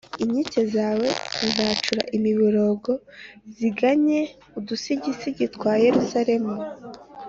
Inkike zawe zizacura imiborogo, ziganye, Udusigisigi twa Yeruzalemu